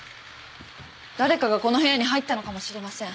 誰かがこの部屋に入ったのかもしれません。